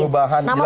perubahan jelas itu